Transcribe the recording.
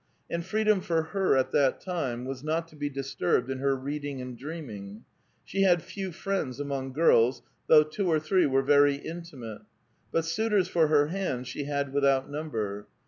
And freedom for her at that time was not to be disturbed in her reading and dreaming. She had few friends among girls, though two or three were very in timate ; but suitora for her hand she had without number.